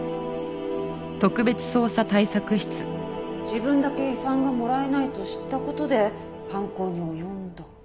自分だけ遺産がもらえないと知った事で犯行に及んだ。